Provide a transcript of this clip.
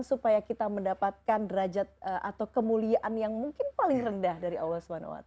supaya kita mendapatkan derajat atau kemuliaan yang mungkin paling rendah dari allah swt